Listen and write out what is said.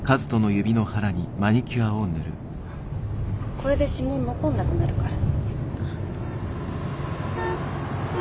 これで指紋残んなくなるから。